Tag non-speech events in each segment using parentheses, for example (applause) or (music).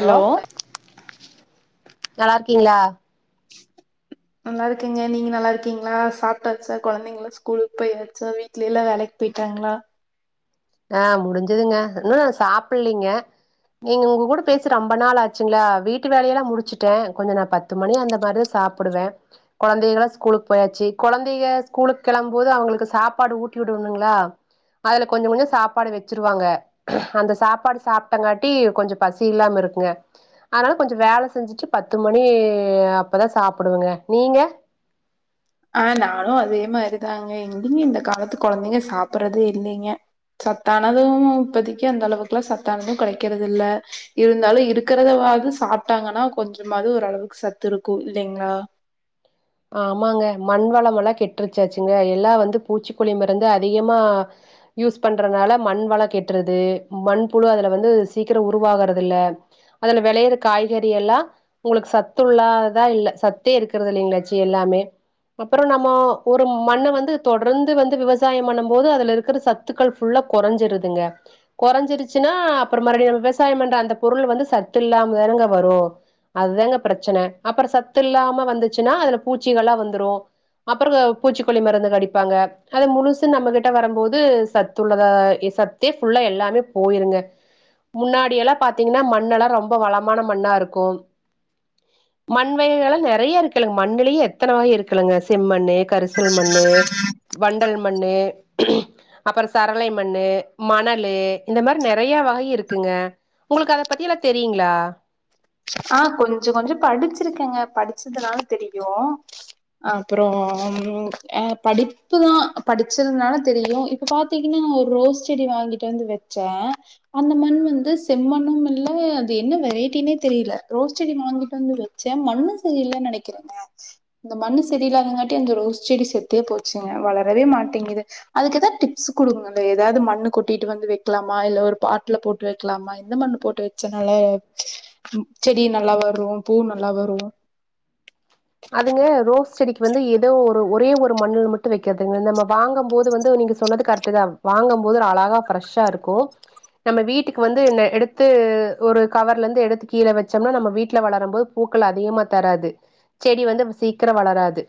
hello நல்லார்கீங்ளா நல்லார்கங்க நீங்க நல்லாருக்கீங்ளா சாப்டாச்சா கொழந்தைங்கல்லா ஸ்கூலுக்கு போயாச்சா வீட்லைல்லா வேலைக்கு போய்ட்டாங்ளா ஆஹ் முடிஞ்சதுங்க இன்னு சாப்பில்லிங்க நீங்க உங்க கூட பேசி ரம்ப நாளாச்சுங்ளா வீட்டு வேலயெல்லா முடிச்சுட்டே கொஞ்ச நா பத்து மணி அந்த மாரிதா சாப்பிடுவே கொழந்தையள்ளா ஸ்கூலுக்கு போயாச்சி கொழந்தைக ஸ்கூலுக்கு கெளம்போது அவங்களுக்கு சாப்பாடு ஊட்டி விடுவணுங்களா அதுல கொஞ்சங் கொஞ்ச சாப்பாடு வெச்சிருவாங்க அந்த சாப்பாடு சாப்டங்காட்டி கொஞ்ச பசி இல்லாம இருக்குங்க அதனால கொஞ்ச வேல செஞ்சிட்டு பத்து மணி அப்பதா சாப்புடுவங்க நீங்க ஆஹ் நானு அதே மாரிதாங்க எங்கிங்க இந்த காலத்து கொலந்தைங்க சாப்புறதே இல்லிங்க சத்தானது இப்பதிக்கு அந்தளவுக்குலா சத்தானது கடைக்கறதில்ல இருந்தாலு இருக்கறதவாது சாப்டாங்கன்னா கொஞ்சமாது ஓரளவுக்கு சத்துருக்கு இல்லைங்களா ஆமாங்க மண் வளம்மல்லா கெட்டுருச்சாச்சுங்க எல்லா வந்து பூச்சிக்கொலி மருந்து அதிகமா யூஸ் பண்றதுனால மண் வள கெட்றுது மண்ப்புழு அதுல வந்து சீக்கிர உருவாகறதுல்ல அதுல வெளையற காய்கறியெல்லா உங்ளுக்கு சத்துள்ளாதாதா இல்ல சத்தே இருக்கறதில்லைங்களாச் எல்லாமே அப்புற நம்ம ஒரு மண்ண வந்து தொடர்ந்து வந்து விவசாயம் பண்ணும் போது அதுல இருக்கிற சத்துக்கள் புல்லா கொறஞ்சிருதுங்க கொறஞ்சிருச்சின்னா அப்புற (unintelligible) விவசாயம் பண்ற அந்த பொருள் வந்து சத்தில்லாமதானங்க வரு அதுதாங்க பிரச்சன அப்புற சத்து இல்லாம வந்துச்சுன்னா அதுல பூச்சிகள்ளா வந்துரு அப்புற பூச்சிக்கொல்லி மருந்துக அடிப்பாங்க அத முழுசு நம்ம கிட்ட வரும்போது சத்துள்ளதா சத்தே புல்லா எல்லாமே போயிருங்க முன்னாடியல்லா பாத்தீங்கன்னா மண்ணெல்லா ரம்ப வளமான மண்ணாருக்கு மண் வகைகல்லா நெறைய இருக்குல மண் மண்னுலயே எத்தன வகை இருக்குலங்க செம்மண்ணு கரிசல்மண்ணு வண்டல் மண்ணு அப்புற சரளை மண்ணு மணலு இந்த மாரி நெறைய வகை இருக்குங்க உங்களுக்கு அத பத்தியல்லா தெரியுங்ளா ஆஹ் கொஞ்ச கொஞ்ச படிச்சிருக்கேங்க படிச்சதுனால தெரியு அப்புறம் அஹ் படிப்புதா படிச்சிதுனால தெரியு இப்ப பாத்தீங்கன்னா ஒரு ரோஸ் செடி வாங்கிட்டு வந்து வெச்சே அந்த மண் வந்து செம்மண்ணுமில்ல அது என்ன வெரைட்டினே தெரியல ரோஸ் செடி வாங்கிட்டு வந்து வெச்சே மண்ணு சரியில்லன் நெனைக்கிறேங்க இந்த மண்ணு செரியில்லாதங்காட்டியு அந்த ரோஸ் செடி செத்தே போச்சுங்க வளரவே மாட்டேங்கிது அதுக்கு ஏதாது டிப்ஸ் குடுங்கங்கலே ஏதாது மண்ணு கொட்டிட்டு வந்து வெக்லாமா இல்ல ஒரு பாட்டுல போட்டு வெக்லாமா எந்த மண்ணு போட்டு வச்சனால ம் செடி நல்லா வரு பூ நல்லா வரு அதுங்க ரோஸ் செடிக்கு வந்து ஏதோ ஒரு ஒரே ஒரு மண்ணல மட்டு வெக்கிறதுங்க நம்ம வாங்கம் போது வந்து நீங்க சொன்னது கரக்ட்டுதா வாங்கம் போது அலகா ஃப்ரெஷ்ஷா இருக்கு நம்ம வீட்டுக்கு வந்து இந்த எடுத்து ஒரு கவர்ல இருந்து எடுத்து கீல வச்சோம்னா நம்ம வீட்டல வளரம் போது பூக்கள் அதிகமா தராது செடி வந்து சீக்கிர வளராது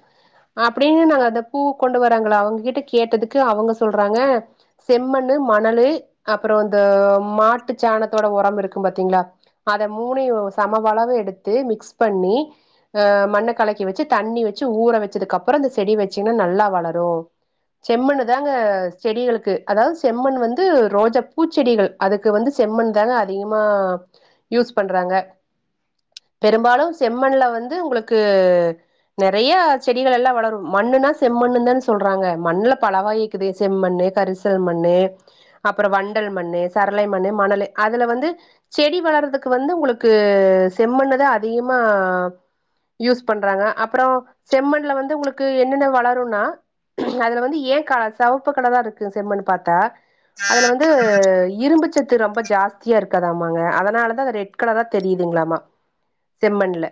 அப்படின்னு நாங்க அதை பூ கொண்டு வராங்கள அவங்க கிட்ட கேட்டதுக்கு அவங்க சொல்றாங்க செம்மண்ணு மணலு அப்புற இந்த மாட்டு சாணத்தோட ஒரமிருக்கு பாத்தீங்களா அத மூணயு சமவளவு எடுத்து மிக்ஸ் பண்ணி ஆஹ் மண்ணை கலக்கி வச்சு தண்ணி வச்சு ஊற வச்சதுக்கப்புறம் அந்த செடி வச்சீங்கன்னா நல்லா வளரு செம்மண்ணு தாங்க செடிகளுக்கு அதாவது செம்மண் வந்து ரோஜா பூச்செடிகள் அதுக்கு வந்து செம்மண் தாங்க அதிகமா யூஸ் பண்றாங்க பெரும்பாலும் செம்மண்ல வந்து உங்களுக் நிறைய செடிகள் எல்லாம் வளரும் மண்ணுன்னா செம்மண்ணு தானு சொல்றாங்க மண்ணுல பலவகை இருக்குது செம்மண்ணு கரிசல் மண்ணு அப்புறம் வண்டல் மண்ணு சரளை மண்ணு மணலு அதுல வந்து செடி வளர்றதுக்கு வந்து உங்களுக்கு செம்மண்ணுதா அதிகமா யூஸ் பண்றாங்க அப்புற செம்மண்ல வந்து உனக்கு என்னென்ன வளரும்னா அதுல வந்து ஏன்கா செவப்பு கலரா இருக்கு செம்மண்ணுனு பாத்தா அதுல வந்து இரும்புச்சத்து ரொம்ப ஜாஸ்தியா இருக்காதாமாங்க அதனாலதாங்க அது ரெட் கலரா தெரியுதுங்களாமா செம்மண்ல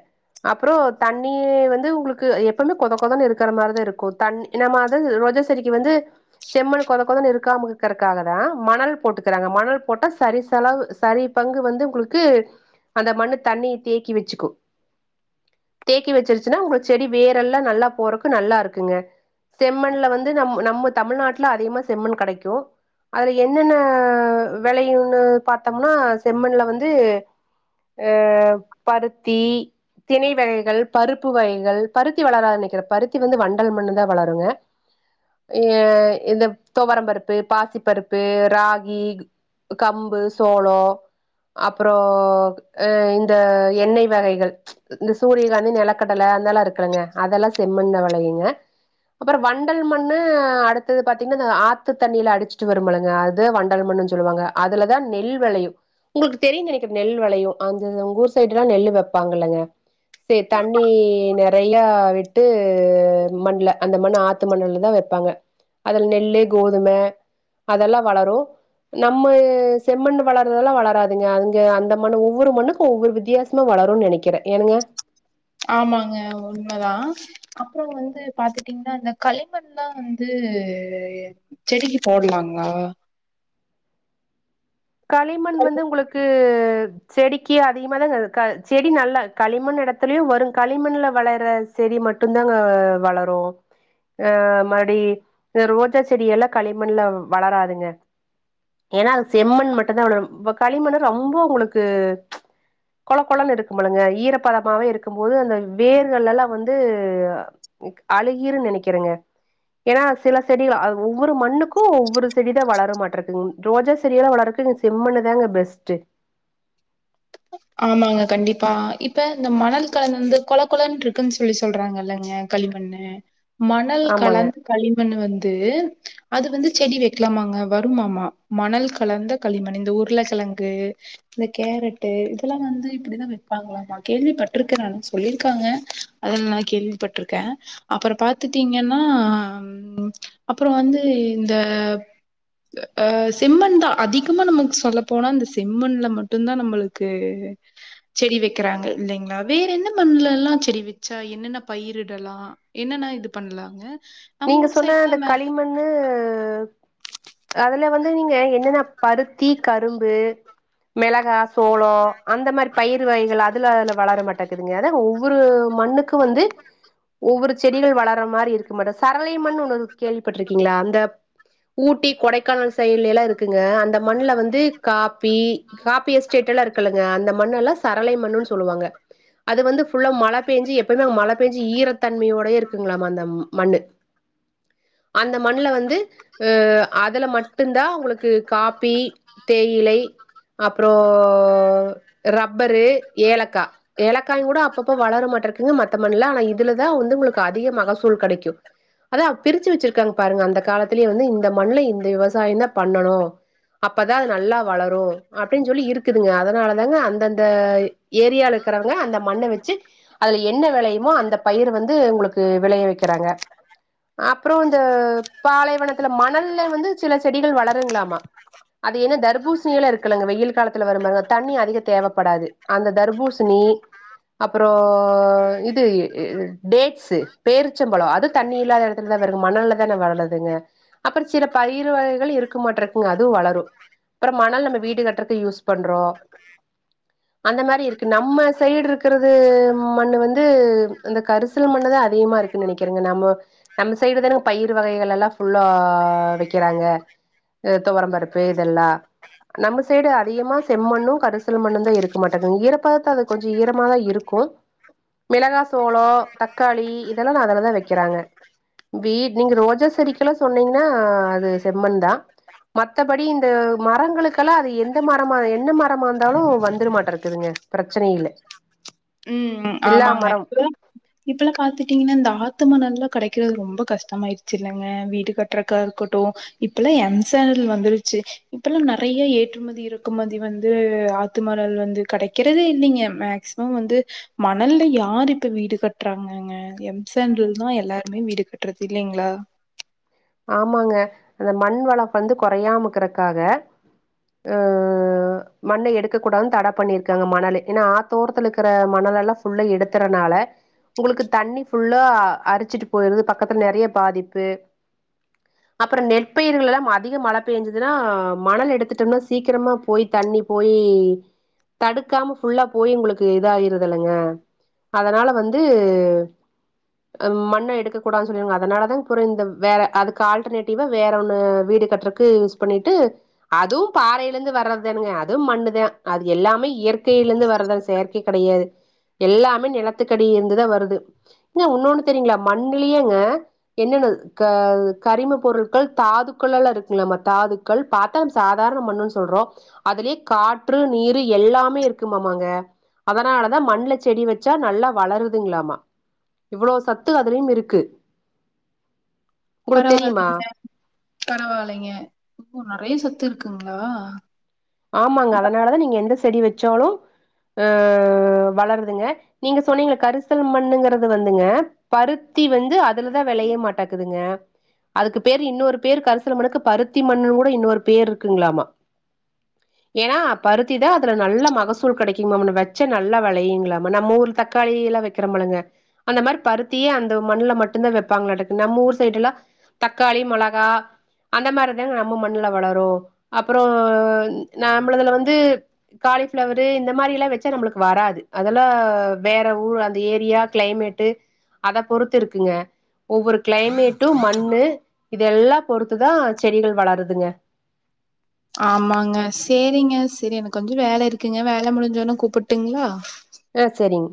அப்புறம் தண்ணி வந்து உங்களுக்கு எப்பவுமே கொதை கொதைன்னு இருக்கிறா மாதிரிதாஇருக்கு தண் நம்ம அத ரொஜா செடிக்கு வந்து செம்மண் கொதை கொதை ன்னு இருக்காம இருக்காதுனா மணல் போட்டுக்கிறாங்க மணல் போட்டா சரி செலவு சரி பங்கு வந்து உங்களுக்கு அந்த மண்ணு தண்ணி தேக்கி வச்சுக்கும் தேக்கி வச்சிருச்சுன்னா உங்க செடி வேரெல்லாம் நல்லா போறக்கு நல்லா இருக்குங்க செம்மண்ணுல வந்து நம் நம்ம தமிழ்நாட்ல அதிகமா செம்மண் கிடைக்கும் அதுல என்னென்ன விலையும்னு பார்த்தோம்னா செம்மண்ணுல வந்து பருத்தி தினை வகை கள் பருப்பு வகைகள் பருத்தி வளராது நெனைக்குறேன் பருத்தி வந்து வண்டல் மண்ணுல தா வளருங்க அ இந்த தோவரம் பருப்பு பாசி பருப்பு ராகி கம்பு சோளம் அப்பறோ ஆஹ் இந்த எண்ணெய் வகைகள் இந்த சூரியகாந்தி நிலக்கடலை அதெல்லா இருக்கில்லைங் அதெல்லா செம்மண்ணுல விளையுங்க அப்பற வண்டல் மண்ணு அடுத்தது பாத்தீங்கன்னா ஆத்து தண்ணியில அடிச்சுட்டு வரும்பாருங்க அது வண்டல் மண்ணுன்னு சொல்லுவாங்க அதுலதா நெல் வெளையு உங்களுக்கு தெரியு நெனைக்கிறே நெல் வெளையு அந்தந்த ஊர் சைடுல்லா நெல்லு வப்பாங்கல்லங்க சரி தண்ணி நெறையா விட்டு மண்ல அந்த மண்ணு ஆத்து மண்ணுல தா வைப்பாங்க அதுல நெல்லு கோதுமை அதெல்லா வளரு நம்ம செம்மண்ணு வளர்றதெல்லா வளராதுங்க அதுங்க அந்த மண்ணு ஒவ்வொரு மண்ணுக்கு ஒவ்வொரு வித்தியாசமா வளரும்னு நெனைக்கிரே ஏனுங்க ஆமாங்க உண்மைதா அப்புற வந்து பாத்துட்டீங்கன்னா இந்தக் களிமண்லா வந்து செடிக்கு போடலாங்களா களிமண் வந்து உங்களுக்கு அ செடிக்கு அதிகமா தாங்க க செடி நல்லா களிமண் இடத்துலயு வரு களிமண்ல வளர்ற செடி மட்டு தாங்க வளரு அஹ் மடி ரோஜா செடி எல்லா களிமண்ல வளராதுங்க ஏன்னா அது செம்மண் மட்டும் தா வளரும் களிமண்ணு ரொம்ப உங்களுக்கு கொல கொலன்னு இருக்கும் போலைங்க ஈரப்பதமாவே இருக்கும் போது அந்த வேர்கள் எல்லாம் வந்து உக் அழுகிறோம் நினைக்கிறங்க ஏன்னா சில செடி ஒவ்வொரு மண்ணுக்கும் ஒவ்வொரு செடி தா வளர மாட்ருகு ரோஜா செடியல்லாம் வள செம்மண்ணு தாங்க பெஸ்ட் ஆமாங்க கண்டிப்பா இப்ப இந்த மணல் கலந்து வந்து கொல கொலன்ட்டு இருக்குன்னு சொல்லி சொல்றாங்கல்லங்க களிமண்ணு மணல் ஆமாங்க கலந்து களிமண்ணு வந்து அது வந்து செடி வைக்கலாமாங்க வருமாமா மணல் கலந்த களிமண்ணு இந்த உருளக்கிழங்கு இந்த கேரட்டு லாமே வந்து இப்படிதா வைப்பாங்களாமா கேள்விப்பட்டிருக்கிறே சொல்லியிருக்காங்க அத நான் கேள்விப்பட்டிருக்கேன் அப்புறம் பார்த்துட்டீங்கன்னா அப்புறம் வந்து இந்த செம்மண் தா அதிகமா நமக்கு சொல்ல போனா இந்த செம்மண்ல மட்டும் தா நம்மளுக்கு செடி வைக்கிறாங்க இல்லைங்களா வேற என்ன மண்ணுல எல்லாம் செடி வச்சா என்னென்ன பயிரிடலாம் என்னென்ன இது பண்ணலாங்க நம்ம நீங்க ஊர் சொன்ன அந்த சைட்லாம் மே களிமண்ணு அதுல வந்து நீங்க என்னென்ன பருத்தி க கரும்பு மிளகா சோளம் அந்த மாதிரி பயிர் வகைகள் அதுல வளர மாட்டேங்குது ஒவ்வொரு மண்ணுக்கும் வந்து ஒவ்வொரு செடிகள் வளர்ற மாதிரி இருக்கு மேடம் ங்களா அந்த ஊட்டி கொடைக்கானல் சைடுல எல்லாம் இருக்குங்க அந்த அந்த மண்ணுல வந்து காபி காபி எஸ்டேட் எல்லாம் இருக்குலங்க அந்த மண்ண எல்லாம் சரளை மண்ணு சொல்லுவாங்க அது வந்து ஃபுள்ளா மழை பெஞ்சு எப்பமே மழை பெஞ்சு ஈரத்தன்மையோட இருக்குங்களா அந்த மண்ணு அந்த மண்ணுல வந்து அஹ் அதுல மட்டும்தா உங்களுக்கு காப்பி தேயிலை அப்புறம் ரப்பரு ஏலக்கா ஏலக்காயும் கூட அப்பப்ப வளர மாட்டேன் இருக்கு மத்த மண்ணுல ஆனா இதுலதான் வந்து உங்களுக்கு அதிக மகசூல் கிடைக்கும் அதா பிரிச்சு வச்சிருக்காங்க பாருங்க அந்த காலத்திலயே வந்து இந்த மண்ணுல இந்த விவசாயம் தா பண்ணணும் அப்பதா அது நல்லா வளரும் அப்படின்னு சொல்லி இருக்குதுங்க அதனாலதாங்க அந்தந்த ஏரியால இருக்கிறவங்க அந்த மண்ணை வச்சு அதுல என்ன விளையுமோ அந்த பயிர வந்து உங்களுக்கு விளைய வைக்கிறாங்க அப்புறம் இந்த பாலைவனத்துல மணல்ல வந்து சில செடிகள் வளருங்களாமா அது என்ன தர்பூசணி எல்லாம் இருக்குலங்க வெயில் காலத்துல வரும்பாருங்க தண்ணி அதிக தேவைப்படாது அந்த தர்பூசணி அப்புறம் இது டேட்ஸு பேரிச்சம்பழம் அது தண்ணி இல்லாத இடத்துல தா வருது மணல்ல தானே வளருதுங்க அப்புறம் சில பயிர் வகைகள் இருக்க மாட்டருக்கு அதுவும் வளரும் அப்புறம் மணல் நம்ம வீடு கட்றதுக்கு யூஸ் பண்றோம் அந்த மாதிரி நம்ம சைடு இருக்க மண்ணு வந்து இந்த கரிசல் மண்ணு தா அதிகமா இருக்குன்னு நினைக்கிறேங்க நம்ம நம்ம சைடு தானே பயிர் வகைகள் எல்லாம் ஃபுள்ளா வை க்கிறாங்க துவவரம் பருப்பு இதெல்லாம் நம்ம சைடு அதிகமா செம்மண்ணும் கரிசல் மண்ணும் தாஇருக்க மாட்டங்குது ஈரப்பதத்த கொஞ்சம் ஈரமா தா இருக்கும் மிளகா சோளம் தக்காளி இதெல்லாம் நா அதுலதா வக்கிறாங்க வீடு நீங்க ரோஜா செடிக்கெல்லாம் சொன்னீங்கன்னா அது செம்மண் தா மத்தபடி இந்த மரங்களுக்கெல்லாம் அது எந்த மரமா என்ன மரமா இருந்தாலும் வந்துர மாட்டேனுருக்குதுங்க பிரச்சனை இல்ல உம் எல்லா ஆமாங்க மரம் இப்பல்லாம் காத்துட்டீங்கன்னா இந்த ஆத்துமணல் கிடைக்கிறது ரொம்ப கஷ்டமாயிடுச்சு இல்லைங்க வீடு கட்டுறக்கா இருக்கட்டும் இப்பல்லாம் எம்சாண்டல் வந்துருச்சு இப்பல்லாம் நிறைய ஏற்றுமதி இறக்குமதி வந்து ஆத்துமணல் வந்து கிடைக்கிறதே இல்லைங்க மேக்சிமம் வந்து மணல்லயாரு இப்ப வீடு கட்டுறாங்கங்க எம்சாண்டல் தான் எல்லாருமே வீடு கட்டுறது இல்லைங்களா ஆமாங்க அந்த மண் வளம் வந்து குறையாமக்கறக்காக ஆஹ் மண்ணை எடுக்க கூடாதுனு தட பண்ணிருக்காங்க மணலு ஏன்னா ஆ தோரத்துல இருக்கிற மணல எல்லாம் ஃபுல்லா எடுத்துறதுனால உங்களுக்கு தண்ணி ஃபுல்லா அரிச்சிட்டு போயிருது பக்கத்துல நிறைய பாதிப்பு அப்புறம் நெற்பயிர்கள் எல்லாம் அதிக மழை பெஞ்சுதுன்னா மணல் எடுத்துட்டோம்னா சீக்கிரமா போய் தண்ணி போயி தடுக்காம ஃபுல்லா போயி உங்களுக்கு இத ஆயிருது இல்லலைங்க அதனால வந்து அஹ் மண்ணை எடுக்க கூடாதுனு சொல்லிருக்காங்க அதனாலதான் அப்புறம் இந்த வேற அதுக்கு ஆல்டர்னேட்டிவா வேற ஒன்னு வீடு கட்டுறக்கு யூஸ் பண்ணிட்டு அதுவும் பாறையில இருந்து தா வர்றதுதானுங்க அதுவும் மண்ணுதான் அது எல்லாமே இயற்கையில இருந்து வர்றதுதான செயற்கை கிடையாது எல்லாமே நிலத்துக்கடி இருந்துதா வருது இன்னொன்னு தெரியங்களா மண்ணுலியேங்க என்னென்ன கரிம பொருள்கள் தாதுக்கள் எல்லா இருக்குலமா தாதுக்கள் பாத்தா சாதாரண மண்ணுன் சொல்றோ அதுலே காற்று நீரு எல்லாமே இருக்குமாமாங்க அதனாலதா மண்ல செடி வெச்சா நல்லா வளருதுங்ளாமா இவ்ளோ சத்து அத்லயும் இருக்கு உங்களுக்கு தெரியுமா பரவால்லிங்க பரவாலைங்க நெறய சத்து த்து ருக்குங்ளா ஆமாங்க அதனாலதா நீங்க எந்த ஸ் செடி வெச்சாலூ ஆ வளருதுங்க நீங்க சொன்னீங்ளே கரிசல் மண்ணுங்குறது வந்துங்க பருத்தி வந்து அதுலதா வேளய மாட்டக்கதுங்க அதுக்கு பேரு இன்னொரு பேரு கர்சல் மணுக்கு பருத்தி மண்ணுன் கூட இன்னொரு பேர் ருக்குங்ளாமா ஏனா பருத்தி தா அதுல நல்ல மகசூல் கேடைக்குங்மான்னு வச்சா நல்லா வேளயுங்களாமா நம்ம ஊர் தக்காளி எல்லா வெக்கிறமளுங்க அந்த மாறி பருத்தியே அந்த மண்ணுல மட்டுந்தா வைப்பாங்களாட்டுக்கு நம் ஊர் சைடுல்லாம் தக்காளி மொளகா அந்த மாறிதாங்க நம்ம மண்ல வளரூ அப்றோ நம்மளதுல வந்து காலிஃப்ளவரு இந்த மாறி எல்லாம் வச்சா நம்புளுக்கு வராது அதல்லா வேற ஊர் அந்த ஏரியா க்ளைமேட்டு அத பொறுத்து ருக்குங்க ஒவ்வொரு க்ளைமேட்டும் மண்ணு இதெல்லாம் பொறுத்துதா செடிகள் வளருதுங்க ஆமாங்க ஸ் சேரிங்க சேரி எனக் கொஞ்சோ வேல இருக்குங்க வேல முடிஞ்சோன கூப்புட்டுங்ளா ஆ செரிங்